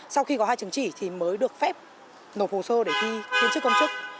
sau khi có hai chứng chỉ thì mới được phép nộp hồ sơ để thi viên chức công chức